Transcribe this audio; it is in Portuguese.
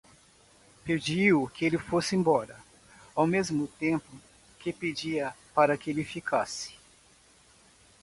Pediu que ele fosse embora, ao mesmo tempo que pedia para que ele ficasse.